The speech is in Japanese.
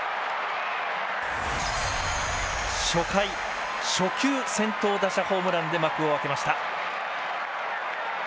初回初球先頭打者ホームランで幕を開けました。